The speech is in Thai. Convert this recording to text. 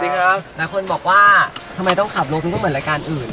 หลายคนบอกว่าทำไมต้องขับรถมันก็เหมือนรายการอื่น